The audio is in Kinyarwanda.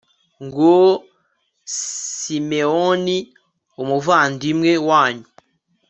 nguwo simewoni, umuvandimwe wanyu